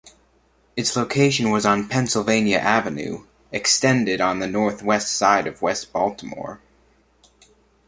Its location was on Pennsylvania Avenue "extended," on the northwest side of West Baltimore.